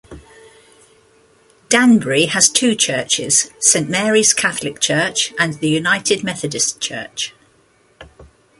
Danbury has two churches, Saint Mary's Catholic Church and the United Methodist Church.